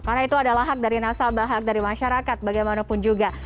karena itu adalah hak dari nasabah hak dari masyarakat bagaimanapun juga